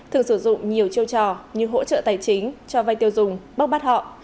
thường sử dụng nhiều chiêu trò như hỗ trợ tài chính cho vay tiêu dùng bốc bắt họ